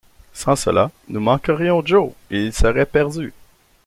Sans cela, nous manquerions Joe, et il serait perdu !